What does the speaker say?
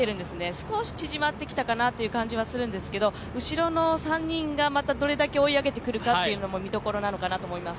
少し縮まってきたかなという感じはするんですけど、後ろの３人がまたどれだけ追い上げてくるかというのも見どころなのかなと思います。